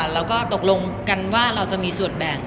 แล้วก็ตกลงกันว่าเราจะมีส่วนแบ่ง